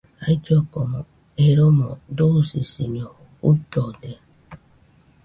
Ailloko eromo dusisiño juidode